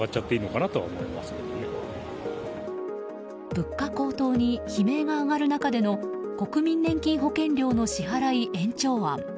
物価高騰に悲鳴が上がる中での国民年金保険料の支払い延長案。